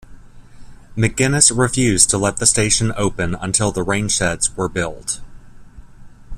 McGuinness refused to let the station open until the rainsheds were built.